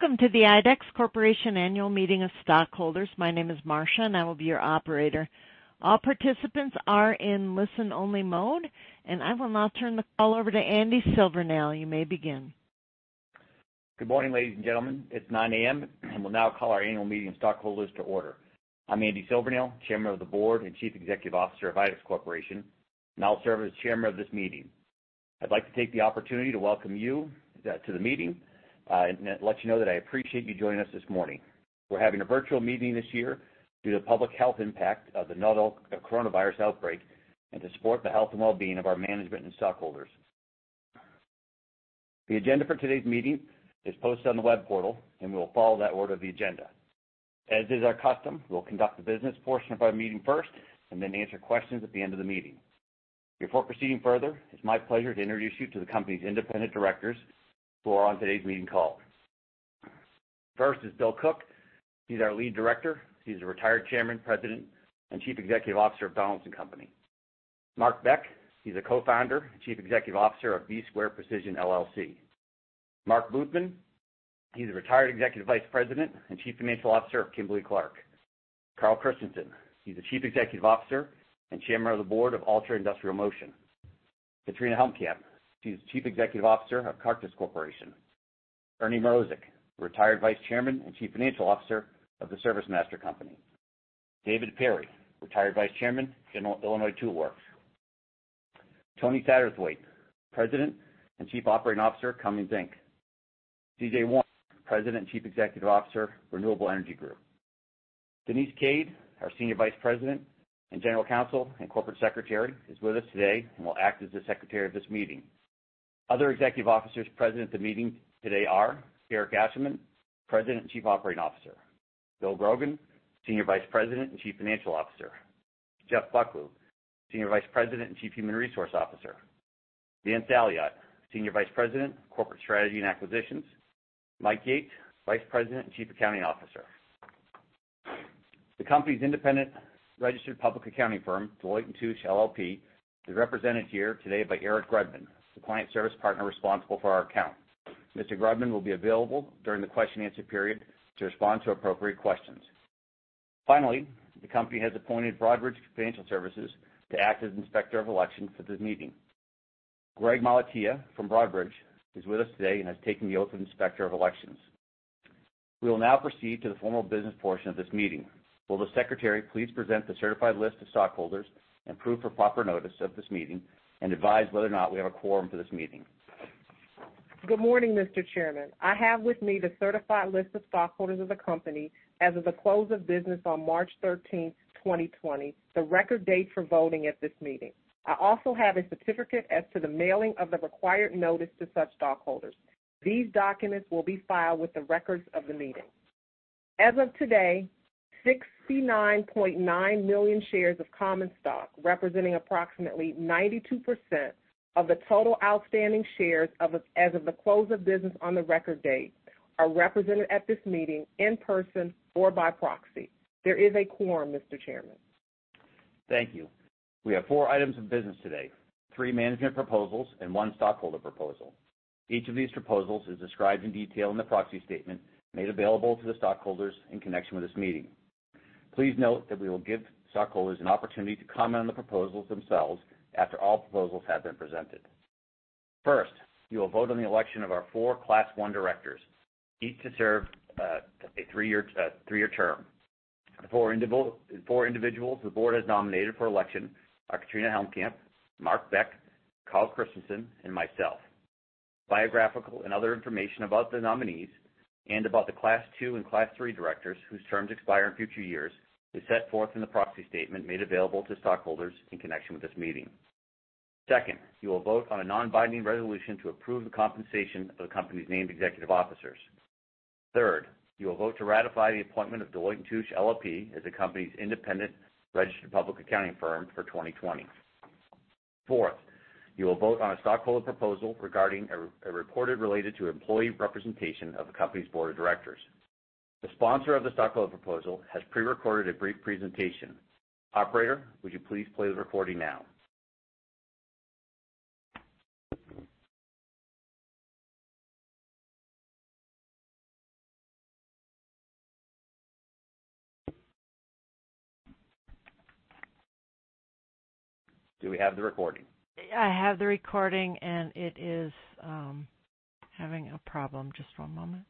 Welcome to the IDEX Corporation Annual Meeting of Stockholders. My name is Marsha, and I will be your operator. All participants are in listen-only mode. I will now turn the call over to Andy Silvernail. You may begin. Good morning, ladies and gentlemen. It's 9:00 A.M., and we'll now call our annual meeting of stockholders to order. I'm Andy Silvernail, Chairman of the Board and Chief Executive Officer of IDEX Corporation, and I'll serve as Chairman of this meeting. I'd like to take the opportunity to welcome you to the meeting, and let you know that I appreciate you joining us this morning. We're having a virtual meeting this year due to the public health impact of the coronavirus outbreak and to support the health and wellbeing of our management and stockholders. The agenda for today's meeting is posted on the web portal, and we will follow that order of the agenda. As is our custom, we'll conduct the business portion of our meeting first and then answer questions at the end of the meeting. Before proceeding further, it's my pleasure to introduce you to the company's independent directors who are on today's meeting call. First is Bill Cook. He's our Lead Director. He's a retired Chairman, President, and Chief Executive Officer of Donaldson Company. Mark Beck, he's a Co-Founder and Chief Executive Officer of B-Square Precision LLC. Mark Buthman, he's a retired Executive Vice President and Chief Financial Officer of Kimberly-Clark. Carl Christenson, he's the Chief Executive Officer and Chairman of the Board of Altra Industrial Motion. Katrina Helmkamp, she's the Chief Executive Officer of Cartus Corporation. Ernie Mrozek, retired Vice Chairman and Chief Financial Officer of The ServiceMaster Company. David Perry, retired Vice Chairman, Illinois Tool Works. Tony Satterthwaite, President and Chief Operating Officer, Cummins Inc. CJ Warner, President and Chief Executive Officer, Renewable Energy Group. Denise Cade, our Senior Vice President and General Counsel and Corporate Secretary, is with us today and will act as the Secretary of this meeting. Other Executive Officers present at the meeting today are Eric Ashleman, President and Chief Operating Officer. Bill Grogan, Senior Vice President and Chief Financial Officer. Jeff Bucklew, Senior Vice President and Chief Human Resources Officer. Vince Aliotta, Senior Vice President of Corporate Strategy and Acquisitions. Mike Yates, Vice President and Chief Accounting Officer. The company's independent registered public accounting firm, Deloitte & Touche LLP, is represented here today by Eric Grubman, the Client Service Partner responsible for our account. Mr. Grubman will be available during the question and answer period to respond to appropriate questions. Finally, the company has appointed Broadridge Financial Solutions to act as Inspector of Elections at this meeting. Greg Malatia from Broadridge is with us today and has taken the oath of inspector of elections. We will now proceed to the formal business portion of this meeting. Will the secretary please present the certified list of stockholders and proof of proper notice of this meeting and advise whether or not we have a quorum for this meeting? Good morning, Mr. Chairman. I have with me the certified list of stockholders of the company as of the close of business on March 13th, 2020, the record date for voting at this meeting. I also have a certificate as to the mailing of the required notice to such stockholders. These documents will be filed with the records of the meeting. As of today, 69.9 million shares of common stock, representing approximately 92% of the total outstanding shares as of the close of business on the record date, are represented at this meeting in person or by proxy. There is a quorum, Mr. Chairman. Thank you. We have four items of business today, three management proposals and one stockholder proposal. Each of these proposals is described in detail in the proxy statement made available to the stockholders in connection with this meeting. Please note that we will give stockholders an opportunity to comment on the proposals themselves after all proposals have been presented. First, you will vote on the election of our four Class I directors, each to serve a three-year term. The four individuals the board has nominated for election are Katrina Helmkamp, Mark Beck, Carl Christenson, and myself. Biographical and other information about the nominees and about the Class II and Class III directors whose terms expire in future years is set forth in the proxy statement made available to stockholders in connection with this meeting. Second, you will vote on a non-binding resolution to approve the compensation of the company's named executive officers. Third, you will vote to ratify the appointment of Deloitte & Touche LLP as the company's independent registered public accounting firm for 2020. Fourth, you will vote on a stockholder proposal regarding a report related to employee representation of the company's board of directors. The sponsor of the stockholder proposal has pre-recorded a brief presentation. Operator, would you please play the recording now? Do we have the recording? I have the recording, and it is having a problem. Just one moment.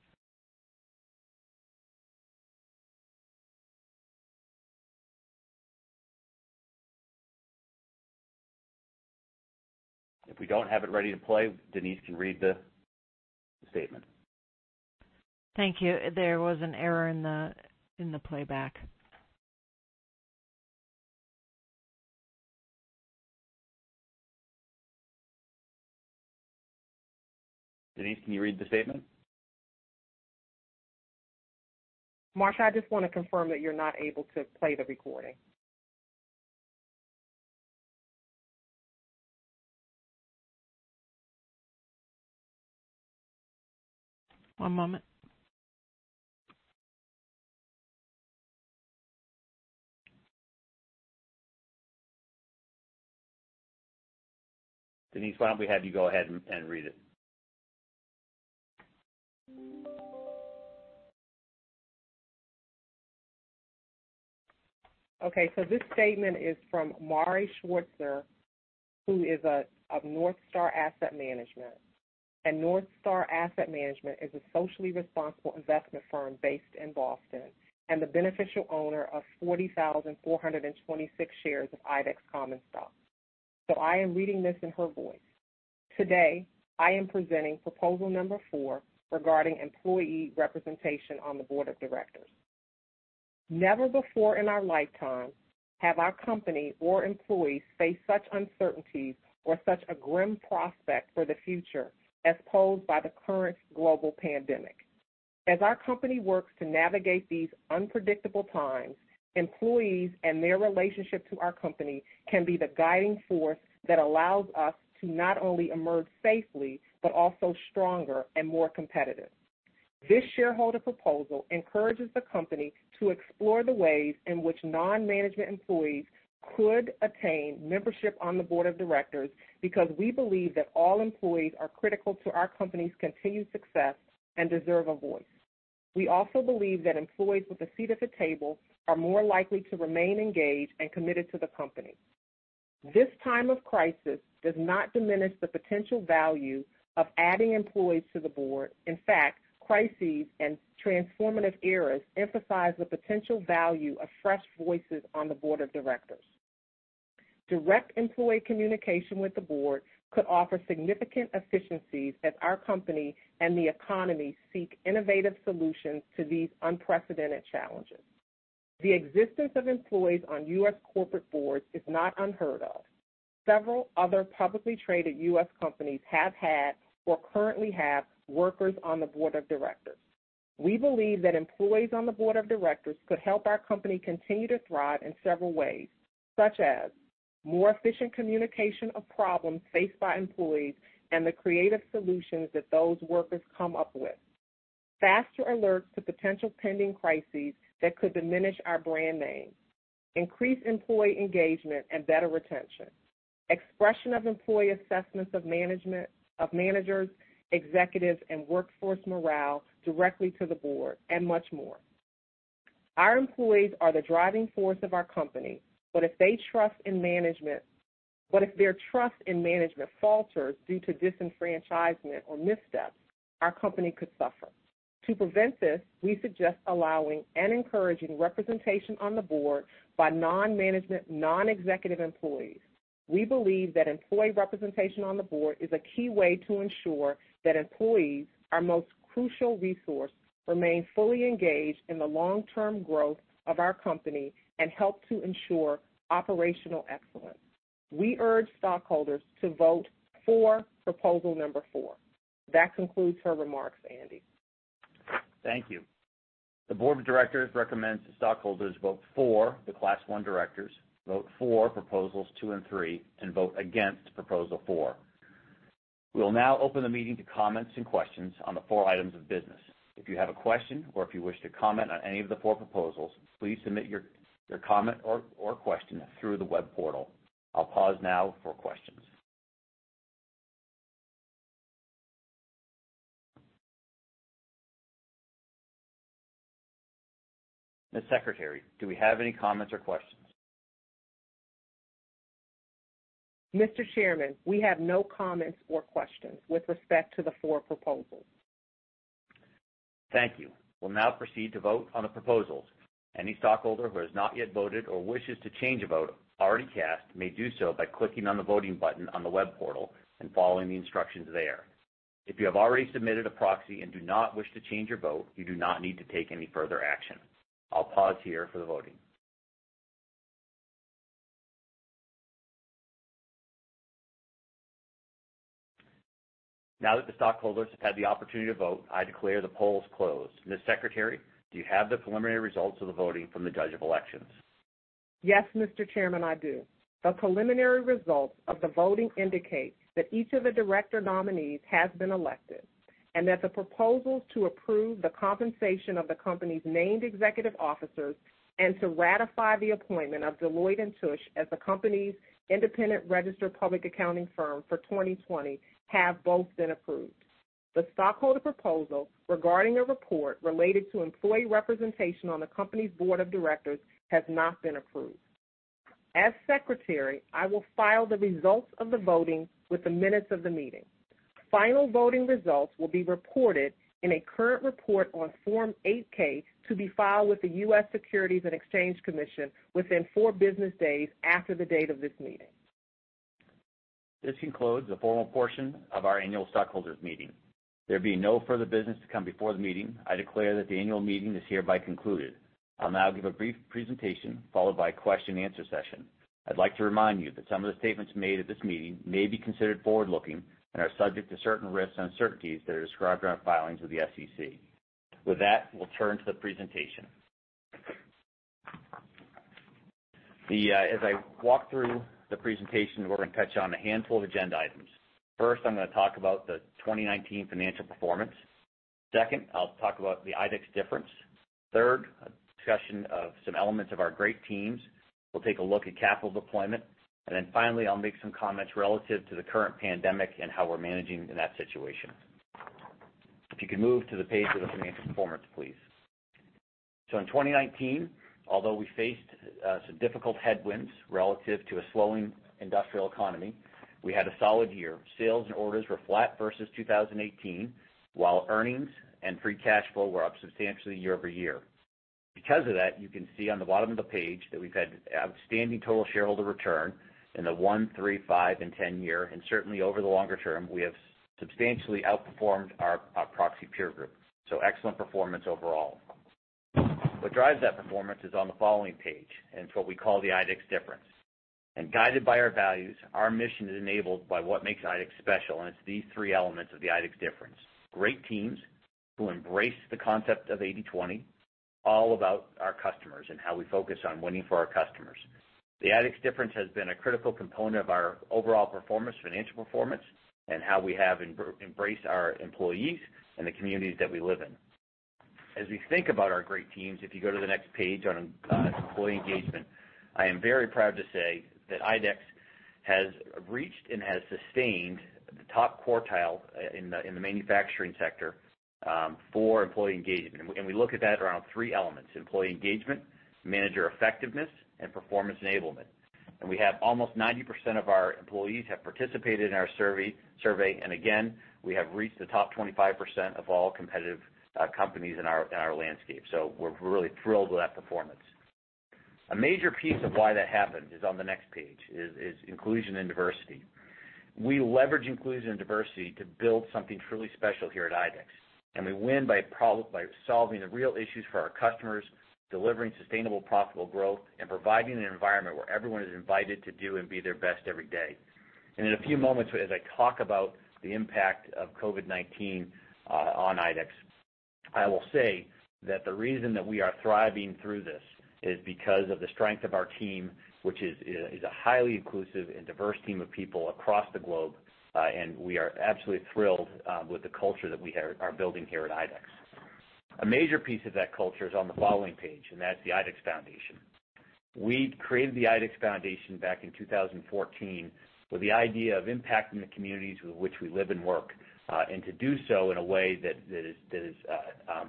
If we don't have it ready to play, Denise can read the statement. Thank you. There was an error in the playback. Denise, can you read the statement? Marsha, I just want to confirm that you're not able to play the recording. One moment. Denise, why don't we have you go ahead and read it? This statement is from Mari Schwartzer, who is of NorthStar Asset Management. NorthStar Asset Management is a socially responsible investment firm based in Boston, and the beneficial owner of 40,426 shares of IDEX common stock. I am reading this in her voice. Today, I am presenting proposal number four regarding employee representation on the board of directors. Never before in our lifetime have our company or employees faced such uncertainties or such a grim prospect for the future as posed by the current global pandemic. As our company works to navigate these unpredictable times, employees and their relationship to our company can be the guiding force that allows us to not only emerge safely, but also stronger and more competitive. This shareholder proposal encourages the company to explore the ways in which non-management employees could attain membership on the board of directors because we believe that all employees are critical to our company's continued success and deserve a voice. We also believe that employees with a seat at the table are more likely to remain engaged and committed to the company. This time of crisis does not diminish the potential value of adding employees to the board. In fact, crises and transformative eras emphasize the potential value of fresh voices on the board of directors. Direct employee communication with the board could offer significant efficiencies as our company and the economy seek innovative solutions to these unprecedented challenges. The existence of employees on U.S. corporate boards is not unheard of. Several other publicly traded U.S. companies have had, or currently have, workers on the board of directors. We believe that employees on the board of directors could help our company continue to thrive in several ways, such as more efficient communication of problems faced by employees and the creative solutions that those workers come up with, faster alerts to potential pending crises that could diminish our brand name, increased employee engagement and better retention, expression of employee assessments of managers, executives, and workforce morale directly to the board, and much more. Our employees are the driving force of our company, but if their trust in management falters due to disenfranchisement or missteps, our company could suffer. To prevent this, we suggest allowing and encouraging representation on the board by non-management, non-executive employees. We believe that employee representation on the board is a key way to ensure that employees, our most crucial resource, remain fully engaged in the long-term growth of our company and help to ensure operational excellence. We urge stockholders to vote for proposal number four. That concludes her remarks, Andy. Thank you. The board of directors recommends that stockholders vote for the Class I directors, vote for Proposals two and three, and vote against Proposal four. We will now open the meeting to comments and questions on the four items of business. If you have a question or if you wish to comment on any of the four proposals, please submit your comment or question through the web portal. I'll pause now for questions. Ms. Secretary, do we have any comments or questions? Mr. Chairman, we have no comments or questions with respect to the four proposals. Thank you. We'll now proceed to vote on the proposals. Any stockholder who has not yet voted or wishes to change a vote already cast may do so by clicking on the voting button on the web portal and following the instructions there. If you have already submitted a proxy and do not wish to change your vote, you do not need to take any further action. I'll pause here for the voting. Now that the stockholders have had the opportunity to vote, I declare the polls closed. Ms. Secretary, do you have the preliminary results of the voting from the Judge of Elections? Yes, Mr. Chairman, I do. The preliminary results of the voting indicate that each of the director nominees has been elected, and that the proposals to approve the compensation of the company's named executive officers and to ratify the appointment of Deloitte & Touche as the company's independent registered public accounting firm for 2020 have both been approved. The stockholder proposal regarding a report related to employee representation on the company's board of directors has not been approved. As Secretary, I will file the results of the voting with the minutes of the meeting. Final voting results will be reported in a current report on Form 8-K to be filed with the US Securities and Exchange Commission within four business days after the date of this meeting. This concludes the formal portion of our annual stockholders meeting. There being no further business to come before the meeting, I declare that the annual meeting is hereby concluded. I'll now give a brief presentation, followed by a question and answer session. I'd like to remind you that some of the statements made at this meeting may be considered forward-looking and are subject to certain risks and uncertainties that are described in our filings with the SEC. With that, we'll turn to the presentation. As I walk through the presentation, we're going to touch on a handful of agenda items. First, I'm going to talk about the 2019 financial performance. Second, I'll talk about the IDEX Difference. Third, a discussion of some elements of our great teams. We'll take a look at capital deployment. Finally, I'll make some comments relative to the current pandemic and how we're managing in that situation. If you could move to the page with the financial performance, please. In 2019, although we faced some difficult headwinds relative to a slowing industrial economy, we had a solid year. Sales and orders were flat versus 2018, while earnings and free cash flow were up substantially year-over-year. Because of that, you can see on the bottom of the page that we've had outstanding total shareholder return in the one, three, five and 10 year, and certainly over the longer term, we have substantially outperformed our proxy peer group. Excellent performance overall. What drives that performance is on the following page, it's what we call the IDEX Difference. Guided by our values, our mission is enabled by what makes IDEX special, and it's these three elements of the IDEX Difference. Great teams who embrace the concept of 80/20, all about our customers and how we focus on winning for our customers. The IDEX Difference has been a critical component of our overall performance, financial performance, and how we have embraced our employees and the communities that we live in. As we think about our great teams, if you go to the next page on employee engagement, I am very proud to say that IDEX has reached and has sustained the top quartile in the manufacturing sector for employee engagement. We look at that around three elements, employee engagement, manager effectiveness and performance enablement. We have almost 90% of our employees have participated in our survey. Again, we have reached the top 25% of all competitive companies in our landscape. We're really thrilled with that performance. A major piece of why that happens is on the next page, is inclusion and diversity. We leverage inclusion and diversity to build something truly special here at IDEX. We win by solving the real issues for our customers, delivering sustainable, profitable growth, and providing an environment where everyone is invited to do and be their best every day. In a few moments, as I talk about the impact of COVID-19 on IDEX, I will say that the reason that we are thriving through this is because of the strength of our team, which is a highly inclusive and diverse team of people across the globe. We are absolutely thrilled with the culture that we are building here at IDEX. A major piece of that culture is on the following page, that's the IDEX Foundation. We created the IDEX Foundation back in 2014 with the idea of impacting the communities with which we live and work. To do so in a way that is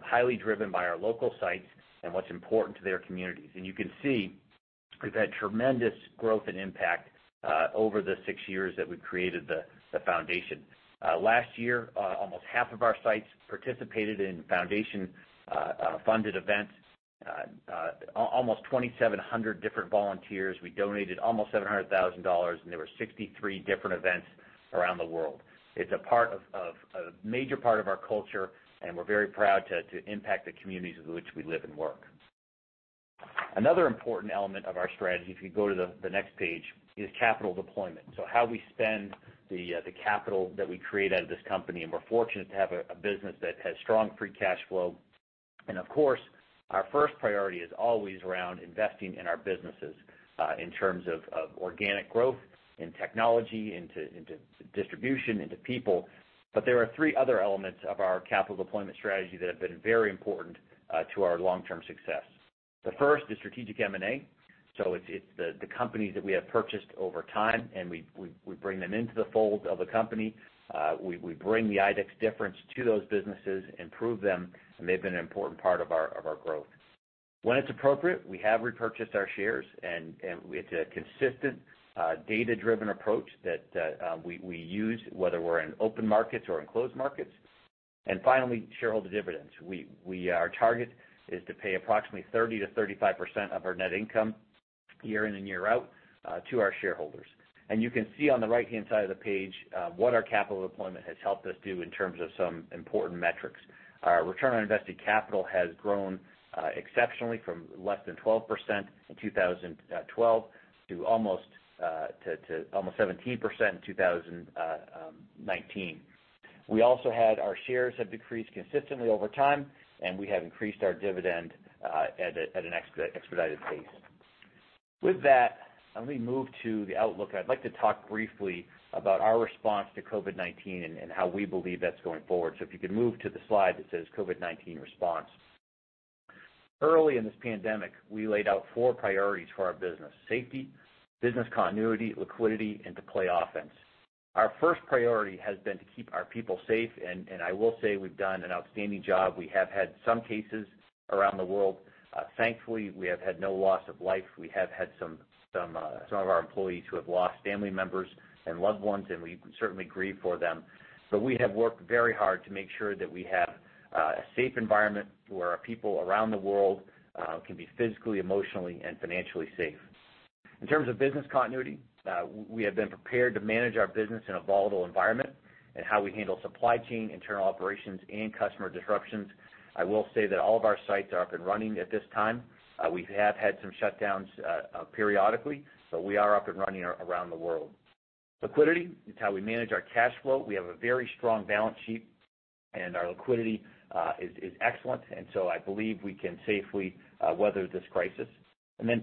highly driven by our local sites and what's important to their communities. You can see we've had tremendous growth and impact over the six years that we've created the Foundation. Last year, almost half of our sites participated in Foundation-funded events. Almost 2,700 different volunteers. We donated almost $700,000, there were 63 different events around the world. It's a major part of our culture, we're very proud to impact the communities with which we live and work. Another important element of our strategy, if you go to the next page, is capital deployment. How we spend the capital that we create out of this company, and we're fortunate to have a business that has strong free cash flow. Of course, our first priority is always around investing in our businesses, in terms of organic growth, in technology, into distribution, into people. There are three other elements of our capital deployment strategy that have been very important to our long-term success. The first is strategic M&A. It's the companies that we have purchased over time, and we bring them into the fold of the company. We bring the IDEX Difference to those businesses, improve them, and they've been an important part of our growth. When it's appropriate, we have repurchased our shares, and it's a consistent, data-driven approach that we use, whether we're in open markets or in closed markets. Finally, shareholder dividends. Our target is to pay approximately 30%-35% of our net income year in and year out to our shareholders. You can see on the right-hand side of the page what our capital deployment has helped us do in terms of some important metrics. Our return on invested capital has grown exceptionally from less than 12% in 2012 to almost 17% in 2019. We also had our shares have decreased consistently over time, and we have increased our dividend at an expedited pace. With that, let me move to the outlook, and I'd like to talk briefly about our response to COVID-19 and how we believe that's going forward. If you could move to the slide that says COVID-19 response. Early in this pandemic, we laid out four priorities for our business, safety, business continuity, liquidity, and to play offense. Our first priority has been to keep our people safe, and I will say we've done an outstanding job. We have had some cases around the world. Thankfully, we have had no loss of life. We have had some of our employees who have lost family members and loved ones, and we certainly grieve for them. We have worked very hard to make sure that we have a safe environment where our people around the world can be physically, emotionally, and financially safe. In terms of business continuity, we have been prepared to manage our business in a volatile environment and how we handle supply chain, internal operations, and customer disruptions. I will say that all of our sites are up and running at this time. We have had some shutdowns periodically, but we are up and running around the world. Liquidity is how we manage our cash flow. We have a very strong balance sheet, and our liquidity is excellent. I believe we can safely weather this crisis.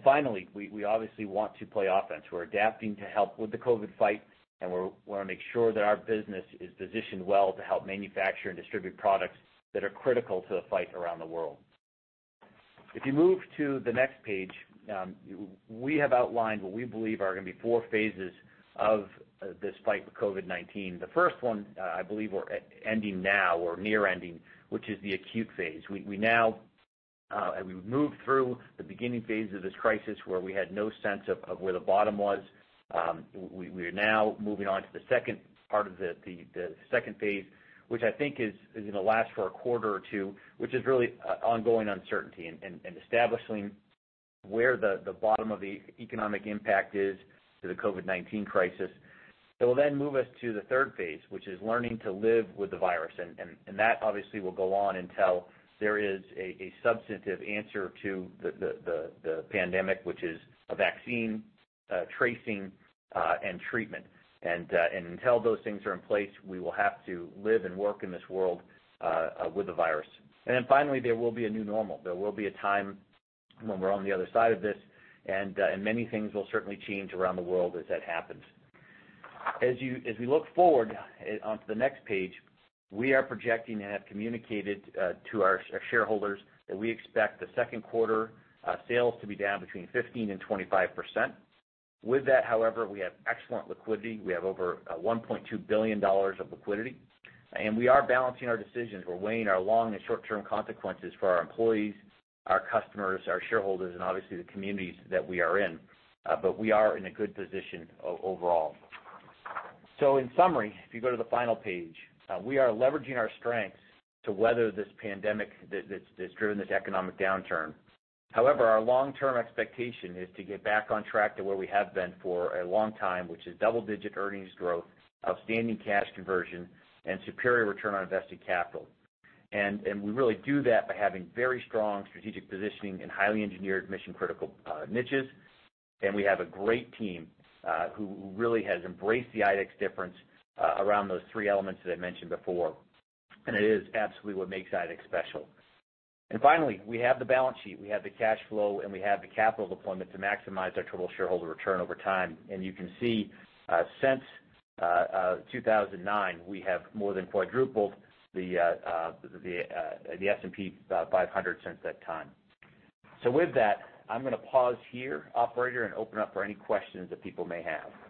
Finally, we obviously want to play offense. We're adapting to help with the COVID-19 fight, and we want to make sure that our business is positioned well to help manufacture and distribute products that are critical to the fight around the world. If you move to the next page, we have outlined what we believe are going to be four phases of this fight with COVID-19. The first one, I believe, we're ending now or near ending, which is the acute phase. We've moved through the beginning phases of this crisis where we had no sense of where the bottom was. We are now moving on to the second part of the second phase, which I think is going to last for a quarter or two, which is really ongoing uncertainty and establishing where the bottom of the economic impact is to the COVID-19 crisis. It will then move us to the third phase, which is learning to live with the virus, and that obviously will go on until there is a substantive answer to the pandemic, which is a vaccine, tracing, and treatment. Until those things are in place, we will have to live and work in this world with the virus. Finally, there will be a new normal. There will be a time when we're on the other side of this, and many things will certainly change around the world as that happens. As we look forward onto the next page, we are projecting and have communicated to our shareholders that we expect the second quarter sales to be down between 15% and 25%. With that, however, we have excellent liquidity. We have over $1.2 billion of liquidity. We are balancing our decisions. We're weighing our long and short-term consequences for our employees, our customers, our shareholders, and obviously the communities that we are in. We are in a good position overall. In summary, if you go to the final page, we are leveraging our strengths to weather this pandemic that's driven this economic downturn. However, our long-term expectation is to get back on track to where we have been for a long time, which is double-digit earnings growth, outstanding cash conversion, and superior return on invested capital. We really do that by having very strong strategic positioning and highly engineered mission-critical niches. We have a great team who really has embraced the IDEX Difference around those three elements that I mentioned before. It is absolutely what makes IDEX special. Finally, we have the balance sheet, we have the cash flow, and we have the capital deployment to maximize our total shareholder return over time. You can see since 2009, we have more than quadrupled the S&P 500 since that time. With that, I'm going to pause here, operator, and open up for any questions that people may have.